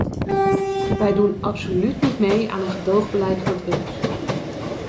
Wij doen absoluut niet mee aan een gedoogbeleid voor drugs.